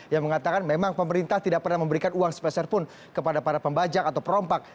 yang mengatakan memang pemerintah tidak pernah memberikan uang sepeserpun kepada para pembajak atau perompak